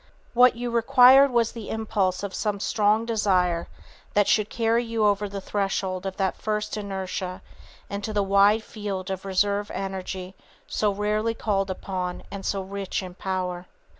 What you required was the impulse of some strong desire that should carry you over the threshold of that first inertia into the wide field of reserve energy so rarely called upon and so rich in power.